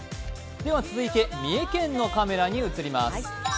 続いて三重県のカメラに移ります。